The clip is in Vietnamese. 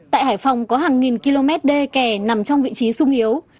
tại hải phòng có hàng nghìn km đê kè nằm trong vị trí sung yếu